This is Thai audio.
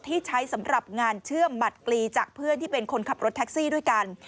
ที่ใช้สำหรับงานเชื่อมบัตรกลีจากเพื่อนที่เป็นคนขับรถแท็กซี่ด้วยกัน